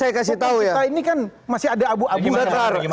bang inas saya kasih tau ya